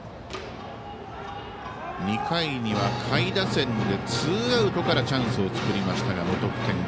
２回には下位打線でツーアウトからチャンスを作りましたが無得点。